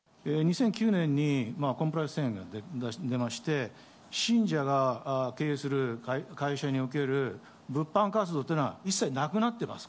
２００９年にコンプライアンス宣言を出しまして、信者が経営する会社における物販活動というのは、一切なくなってます。